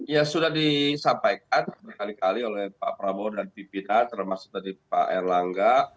ya sudah disampaikan berkali kali oleh pak prabowo dan pimpinan termasuk dari pak erlangga